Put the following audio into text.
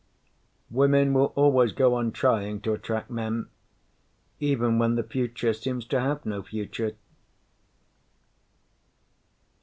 ] Women will always go on trying to attract men ... even when the future seems to have no future!